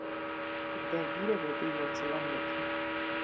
دا ږيره به دې يو څه لنډه کې.